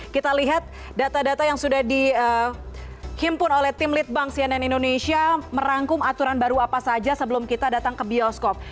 kita lihat data data yang sudah dihimpun oleh tim litbang cnn indonesia merangkum aturan baru apa saja sebelum kita datang ke bioskop